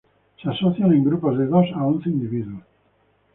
Se asocian en grupos de dos a once individuos.